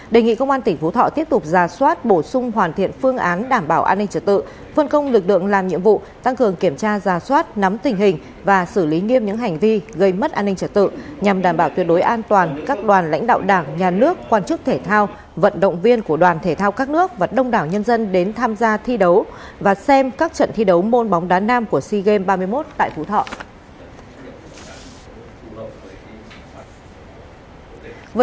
đề nghị công an tỉnh phú thọ tiếp tục giả soát bổ sung hoàn thiện phương án đảm bảo an ninh trật tự phân công lực lượng làm nhiệm vụ tăng cường kiểm tra giả soát nắm tình hình và xử lý nghiêm những hành vi gây mất an ninh trật tự nhằm đảm bảo tuyệt đối an toàn các đoàn lãnh đạo đảng nhà nước quan chức thể thao vận động viên của đoàn thể thao các nước và đông đảo nhân dân đến tham gia thi đấu và xem các trận thi đấu môn bóng đá nam của sea games ba mươi một tại phú thọ